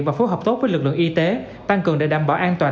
và phối hợp tốt với lực lượng y tế tăng cường để đảm bảo an toàn